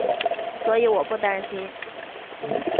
所以我不担心